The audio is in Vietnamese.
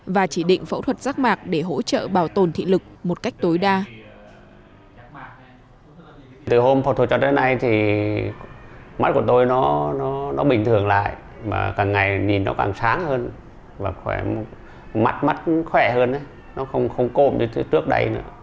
và chỉ định phẫu thuật rác mạc để hỗ trợ bảo tồn thị lực một cách tối đa